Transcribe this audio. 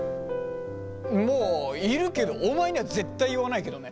まあいるけどお前には絶対言わないけどね。